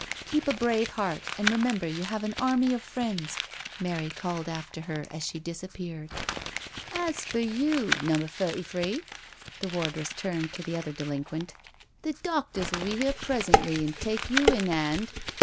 " Keep a brave heart, and remember you have an army of friends," Mary called after her as she dis appeared. " As for you, Number Thirty three," the wardress turned to the other delinquent, " the doctors will be here presently and take you in hand.